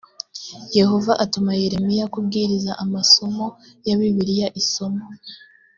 yehova atuma yeremiya kubwiriza amasomo ya bibiliya isomo